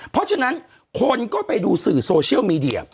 เพราะฉะนั้นคนก็ไปดูสื่อโซเชียลมีเดีย